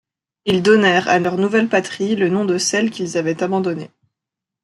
Ils donnèrent à leur nouvelle patrie, le nom de celle qu'ils avaient abandonnée.